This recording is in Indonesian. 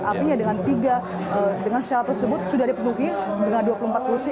artinya dengan tiga dengan syarat tersebut sudah dipenuhi dengan dua puluh empat kursi